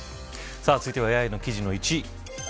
続いてはＡＩの記事の１位。